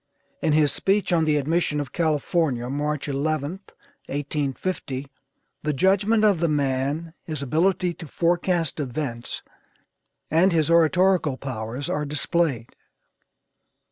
In his speech on the admission of California, March 11th, 1850, the judgment of the man, his ability to forecast events, and his oratorical powers are displayed.